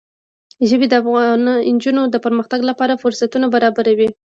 ژبې د افغان نجونو د پرمختګ لپاره فرصتونه برابروي.